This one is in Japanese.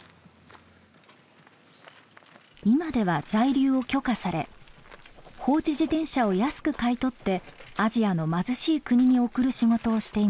今では在留を許可され放置自転車を安く買い取ってアジアの貧しい国に送る仕事をしています。